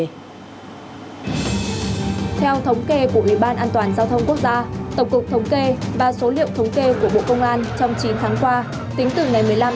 theo thống kê của ủy ban an toàn giao thông quốc gia